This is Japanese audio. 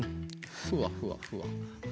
ふわふわふわ。